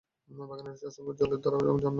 বাগানে রয়েছে অসংখ্য জলের ধারা এবং ঝর্ণা।